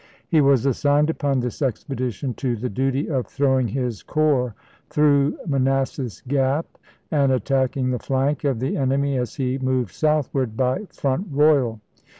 He was assigned upon this expedition to the duty of throw ing his corps through Manassas Gap and attacking the flank of the enemy as he moved southward by Front Royal.